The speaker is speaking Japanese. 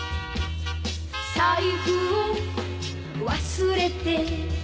「財布を忘れて」